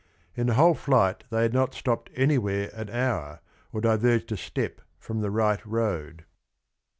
" In the whole flight they had not stopped anywhere an hour, or diverged a step from the right road.